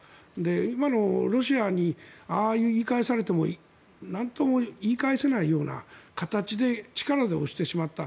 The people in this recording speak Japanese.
今のロシアにああやって言い返されてもなんとも言い返せないような形で力で押してしまった。